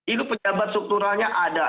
itu pejabat strukturalnya ada